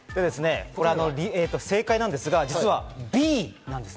正解なんですが、実はＢなんです。